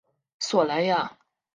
索莱亚。